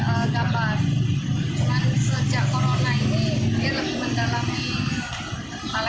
dia juga ya dia penggambar gambar kerja